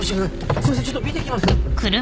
すいませんちょっと見てきます。